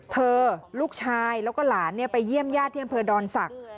เธอลูกชายแล้วก็หลานเนี่ยไปเยี่ยมย่าเที่ยมเพอร์ดอนศักดิ์